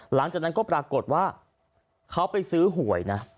หลังจากนั้นก็ปรากฏว่าเขาไปซื้อหวยนะ